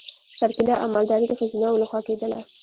کرکیله او مالداري د ښځینه وو لخوا کیدله.